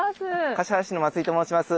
橿原市の松井と申します。